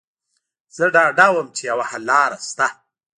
زه ډاډه وم چې يوه حللاره شته.